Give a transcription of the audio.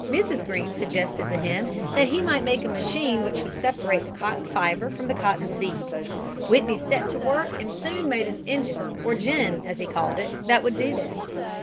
He was very ingenious, and one day Mrs. Greene suggested to him that he might make a machine which would separate the cotton fiber from the cotton seed. Whitney set to work and soon made an engine or gin, as he called it, that would do this.